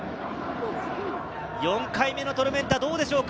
４回目のトルメンタはどうでしょうか。